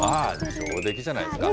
上出来じゃないですか。